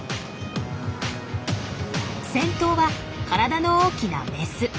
先頭は体の大きなメス。